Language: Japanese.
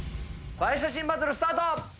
映え写真バトルスタート！